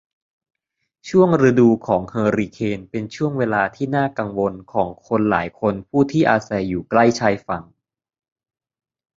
ช่วงฤดูของเฮอริเคนเป็นช่วงเวลาที่น่ากังวลของคนหลายคนผู้ที่อาศัยอยู่ใกล้ชายฝั่ง